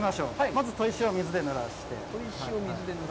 まず砥石を水でぬらして。